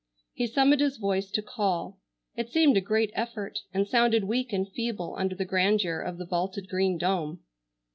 He summoned his voice to call. It seemed a great effort, and sounded weak and feeble under the grandeur of the vaulted green dome.